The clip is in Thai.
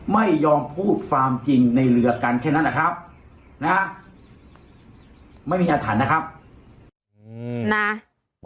ไม่ยอมพูดความจริงในเรือกันแค่นั้นนะครับนะไม่มีอาถรรพ์นะครับอืมนะ